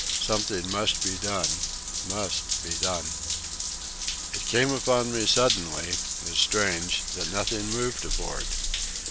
Something must be done, must be done. It came upon me suddenly, as strange, that nothing moved aboard.